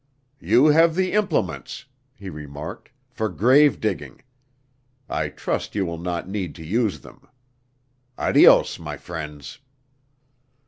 "You have the implements," he remarked, "for grave digging. I trust you will not need to use them. Adios, my friends."